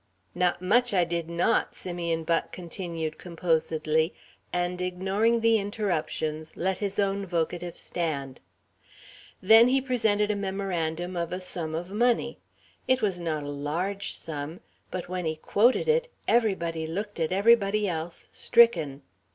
"Not much I did not," Simeon Buck continued composedly, and, ignoring the interruptions, let his own vocative stand. Then he presented a memorandum of a sum of money. It was not a large sum. But when he quoted it, everybody looked at everybody else, stricken.